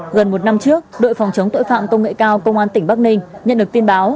gần một năm trước đội phòng chống tội phạm công nghệ cao công an tỉnh bắc ninh nhận được tin báo